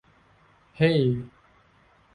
เฮ้